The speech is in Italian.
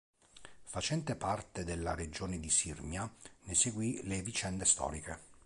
Facente parte della regione di Sirmia ne seguì le vicende storiche.